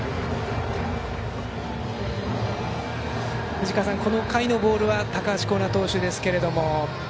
藤川さん、この回のボールは高橋光成投手ですけれども。